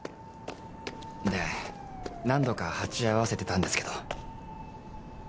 で何度か鉢合わせてたんですけど。